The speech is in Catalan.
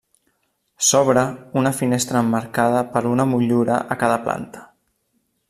S'obre una finestra emmarcada per una motllura a cada planta.